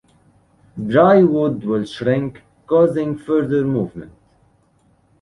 Dry wood will shrink, causing further movement.